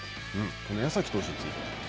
この矢崎投手について。